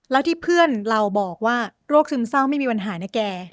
แล้วที่เพื่อนเราบอกว่าโรคซึมเศร้าไม่มีปัญหานะแก